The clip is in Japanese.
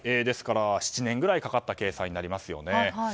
ですから７年ぐらいかかった計算になりますよね。